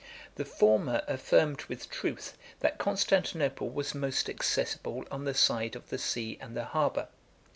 The former affirmed with truth, that Constantinople was most accessible on the side of the sea and the harbor.